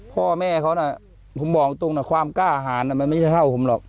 พ่อแม่เขานะผมบอกตรงนะความกล้าหารมันไม่ใช่เท่าผมหรอก